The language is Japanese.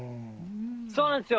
そうなんですよ。